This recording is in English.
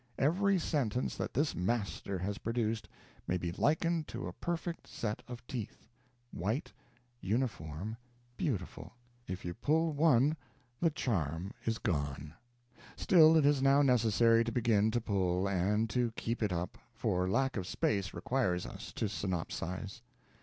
Every sentence that this master has produced may be likened to a perfect set of teeth, white, uniform, beautiful. If you pull one, the charm is gone. Still, it is now necessary to begin to pull, and to keep it up; for lack of space requires us to synopsize.